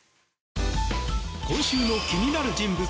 今週の気になる人物